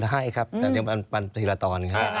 อ๋อให้ครับแต่เป็นทีละตอน